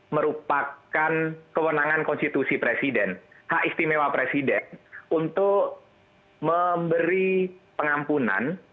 merupakan kewenangan konstitusi presiden hak istimewa presiden untuk memberi pengampunan